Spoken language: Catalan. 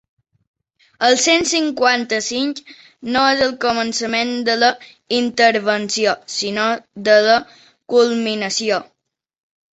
El cent cinquanta-cinc no és el començament de la intervenció, sinó la culminació.